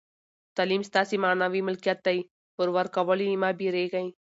تعلیم ستاسي معنوي ملکیت دئ، پر ورکولو ئې مه بېرېږئ!